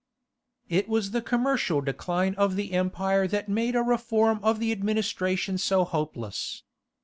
It was the commercial decline of the empire that made a reform of the administration so hopeless.